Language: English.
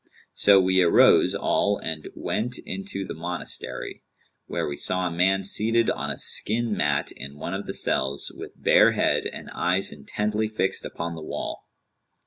So we arose all and went into the monastery' where we saw a man seated on a skin mat in one of the cells, with bare head and eyes intently fixed upon the wall.